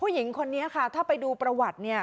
หญิงคนนี้ค่ะท่าไปดูประวัตินี่